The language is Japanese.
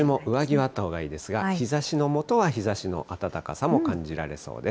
日中は上着があったほうがいいですが、日ざしのもとは日ざしの暖かさも感じられそうです。